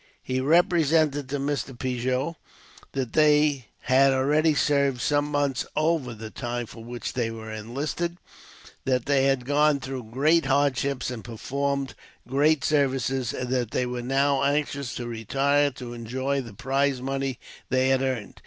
He represented to Mr. Pigot that they had already served some months over the time for which they were enlisted, that they had gone through great hardships, and performed great services, and that they were now anxious to retire to enjoy the prize money they had earned.